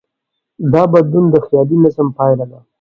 دا بدلون د خیالي نظم پایله ده.